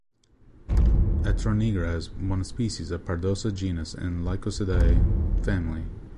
Atronigra is one species of Pardosa genus in Lycosidae family.